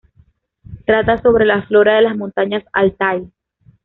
Trata sobre la flora de las montañas Altái.